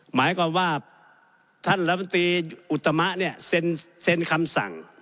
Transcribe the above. หมายความว่าท่านรัฐมนตรีอุตมะเนี่ยเซ็นคำสั่ง